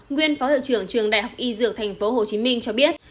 nguyên phó hiệu trưởng trường đại học y dược tp hcm cho biết